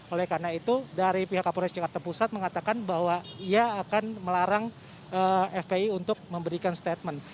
oleh karena itu dari pihak kapolres jakarta pusat mengatakan bahwa ia akan melarang fpi untuk memberikan statement